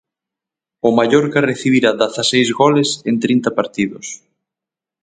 O Mallorca recibira dezaseis goles en trinta partidos.